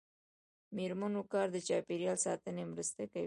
د میرمنو کار د چاپیریال ساتنې مرسته کوي.